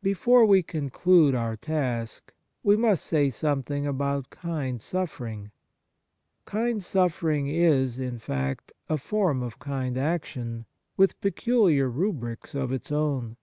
Before w^e conclude our task we must say something about kind suffering. Kind suffering is, in fact, a form of kind action, with peculiar rubrics of its own.